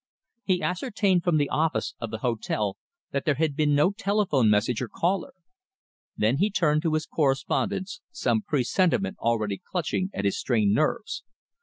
He ascertained from the office of the hotel that there had been no telephone message or caller. Then he turned to his correspondence, some presentiment already clutching at his strained nerves.